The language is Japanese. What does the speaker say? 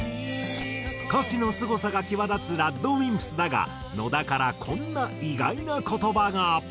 歌詞のすごさが際立つＲＡＤＷＩＭＰＳだが野田からこんな意外な言葉が。